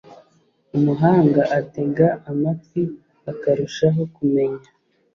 umuhanga atega amatwi akarushaho kumenya